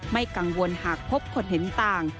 ไม่กังวลหากพบคนเห็นต่าง